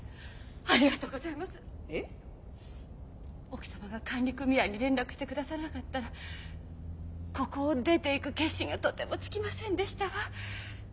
奥様が管理組合に連絡してくださらなかったらここを出ていく決心がとてもつきませんでしたわ。